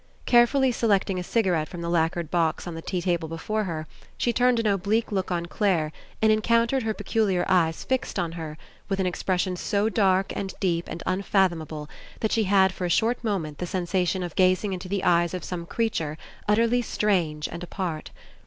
Carefully selecting a cigarette from the lacquered box on the tea table before her, she turned an oblique look on Clare and en countered her peculiar eyes fixed on her with an expression so dark and deep and unfathom able that she had for a short moment the sen sation of gazing into the eyes of some creature utterly strange and apart.